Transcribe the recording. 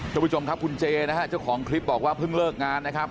คุณเจนะครับเจ้าของคลิปบอกว่าเพิ่งเลิกงานนะครับ